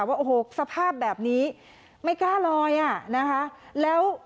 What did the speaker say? ว่าโอโฮสภาพแบบนี้ไม่กล้ารอยอ่ะนะคะ